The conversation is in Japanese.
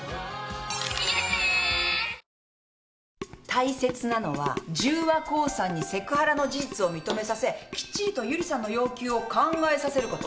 大切なのは十和興産にセクハラの事実を認めさせきっちりと由里さんの要求を考えさせること。